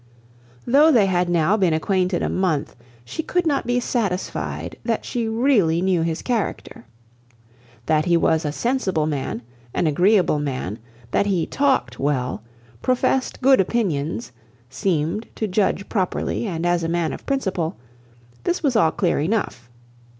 Though they had now been acquainted a month, she could not be satisfied that she really knew his character. That he was a sensible man, an agreeable man, that he talked well, professed good opinions, seemed to judge properly and as a man of principle, this was all clear enough.